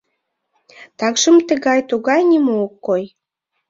— Такшым тыгай-тугай нимо ок кой...